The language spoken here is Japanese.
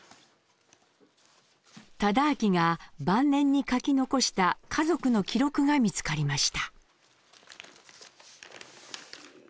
忠亮が晩年に書き残した家族の記録が見つかりました。